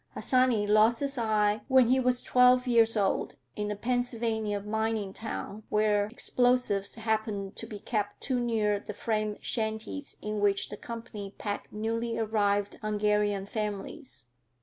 Harsanyi lost his eye when he was twelve years old, in a Pennsylvania mining town where explosives happened to be kept too near the frame shanties in which the company packed newly arrived Hungarian families.